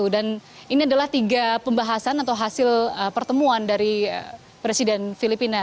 dan ini adalah tiga pembahasan atau hasil pertemuan dari presiden filipina